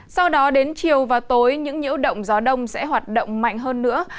sau đó đến chiều và tối những nhiễu động gió đông sẽ hoạt động mạnh hơn nữa